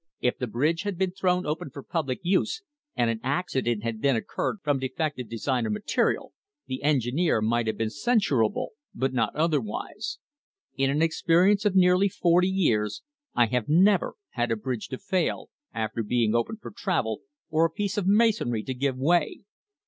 If the bridge had been thrown open for public use, and an accident had then occurred from defective sign or material, the engineer might have been censurable, but not otherwise. In experience of nearly forty years I have never had a bridge to fail, after being opened >r travel, or a piece of masonry to give way.